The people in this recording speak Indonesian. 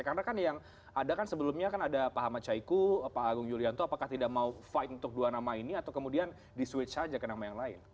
karena kan yang ada kan sebelumnya ada pak ahmad syaiku pak agung yulianto apakah tidak mau fight untuk dua nama ini atau kemudian di switch aja ke nama yang lain